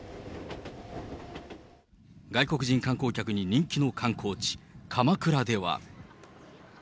外国人観光客に人気の観光地、鎌倉では。